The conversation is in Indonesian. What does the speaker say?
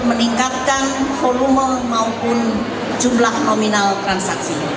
meningkatkan volume maupun jumlah nominal transaksi